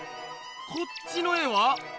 こっちの絵は？